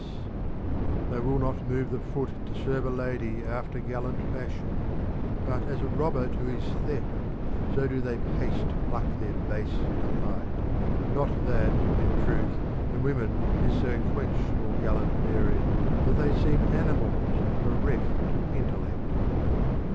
406 THE CONVIVIO Ode They will not move the foot To serve a lady after gallant fashion : but as a robber to his theft so do they pace to pluck their base delight ; not that, in truth, in women is so quenched all gallant bearing that they seem animals bereft of intellect.